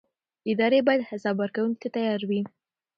ادارې باید حساب ورکونې ته تیار وي